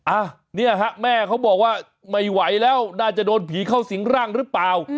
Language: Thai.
อ่ะเนี่ยฮะแม่เขาบอกว่าไม่ไหวแล้วน่าจะโดนผีเข้าสิงร่างหรือเปล่า